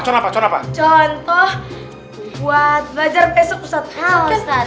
contoh buat belajar besok ustadz